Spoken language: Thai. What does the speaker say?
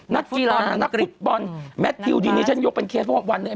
นักกีฬานักฟุตบอลแมททิวดีนี้ฉันยกเป็นเคสเพราะว่าวันนี้